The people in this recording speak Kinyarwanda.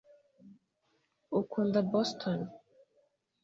ukunda boston